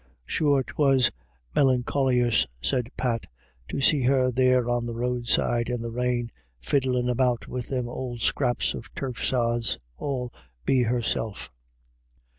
Sure, 'twas melancholious," said Pat, " to see her there on the roadside in the rain, fiddlin' about with them ould scraps of turf sods, all be herself."